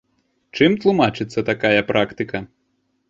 Чым тлумачыцца такая практыка?